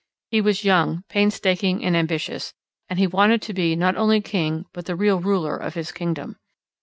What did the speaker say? He was young, painstaking, and ambitious; and he wanted to be not only king but the real ruler of his kingdom.